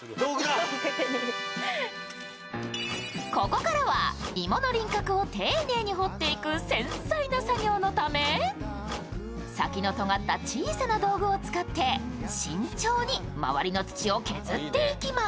ここからは芋の輪郭を丁寧に掘っていく繊細な作業のため先のとがった小さな道具を使って慎重に周りの土を削っていきます。